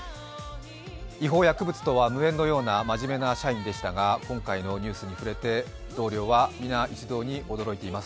違法薬物とは無縁のようなまじめな社員でしたが、今回のニュースに触れて同僚は皆一様に驚いています。